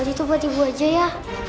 itu buat ibu aja ya